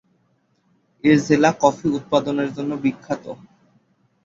এ-জেলা coffee উৎপাদনের জন্য বিখ্যাত।